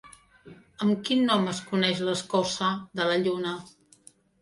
Amb quin nom es coneix l'escorça de la Lluna?